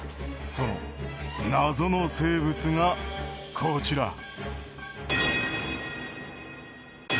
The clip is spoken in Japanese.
その謎の生物が、こちら。